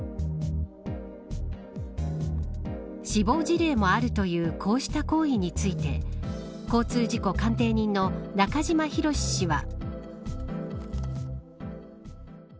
死亡事例もあるというこうした行為について交通事故鑑定人の中島博史氏は。